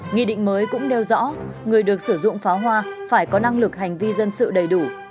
nghị định mới cũng nêu rõ người được sử dụng pháo hoa phải có năng lực hành vi dân sự đầy đủ